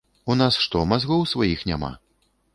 У нас што, мазгоў сваіх няма?